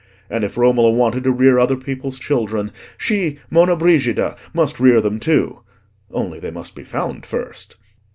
—and if Romola wanted to rear other people's children, she, Monna Brigida, must rear them too. Only they must be found first.